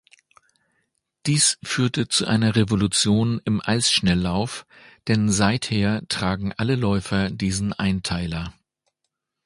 Dies führte zu einer Revolution im Eisschnelllauf, denn seither tragen alle Läufer diesen Einteiler.